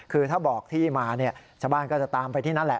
คือถ้าบอกที่มาเนี่ยชาวบ้านก็จะตามไปที่นั่นแหละ